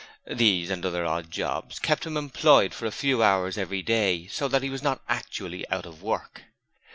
These and other odd jobs kept him employed a few hours every day, so that he was not actually out of work.